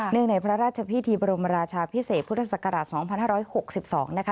ในพระราชพิธีบรมราชาพิเศษพุทธศักราช๒๕๖๒นะคะ